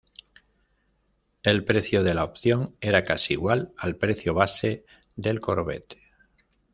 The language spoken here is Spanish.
El precio de la opción era casi igual al precio base del Corvette.